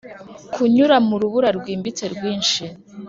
kunyura mu rubura rwimbitse, rwinshi,